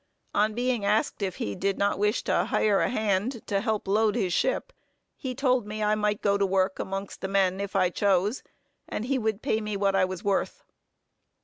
On being asked if he did not wish to hire a hand, to help to load his ship, he told me I might go to work amongst the men, if I chose, and he would pay me what I was worth.